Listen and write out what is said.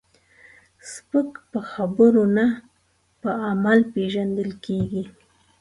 سپک په خبرو نه، په عمل پیژندل کېږي.